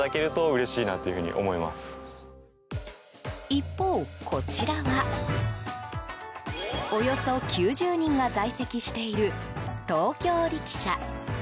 一方、こちらはおよそ９０人が在籍している東京力車。